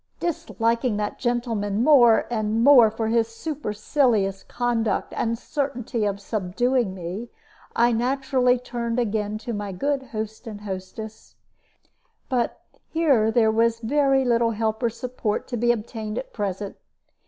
Disliking that gentleman more and more for his supercilious conduct and certainty of subduing me, I naturally turned again to my good host and hostess. But here there was very little help or support to be obtained at present.